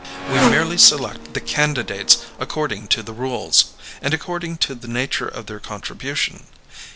"We merely select the candidates according to the rules, and according to the nature of their contribution.